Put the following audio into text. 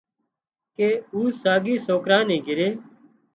ڪي او ساڳي سوڪرا نِي گھري